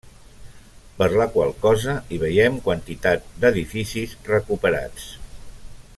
Per la qual cosa, hi veiem quantitat d'edificis recuperats.